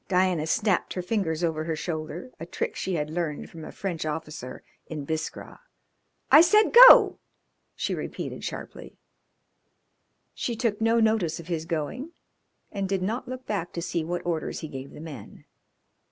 Diana snapped her fingers over her shoulder, a trick she had learned from a French officer in Biskra. "I said go!" she repeated sharply. She took no notice of his going and did not look back to see what orders he gave the men.